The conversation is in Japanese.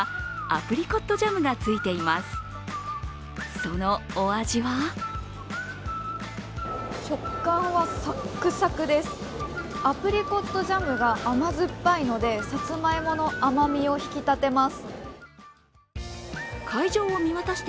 アプリコットジャムが甘酸っぱいのでさつまいもの甘みを引き立てます。